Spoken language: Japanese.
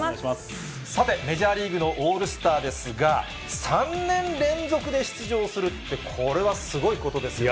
さて、メジャーリーグのオールスターですが、３年連続で出場するって、これはすごいことですよね。